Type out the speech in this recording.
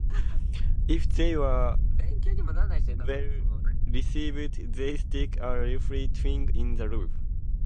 If they are well received they stick a leafy twig in the roof.